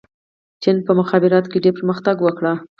چین په مخابراتو کې ډېر پرمختګ وکړ.